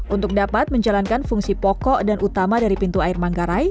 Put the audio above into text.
untuk dapat menjalankan fungsi pokok dan utama dari pintu air manggarai